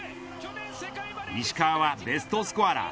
石川はベストスコアラー